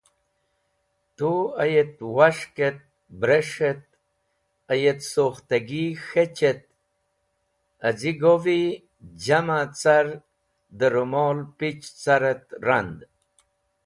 Tu ayet was̃hk et bres̃h et ayet sukhtagi k̃hech et az̃igo’vi jam’e car dẽ rumol pich car et rand.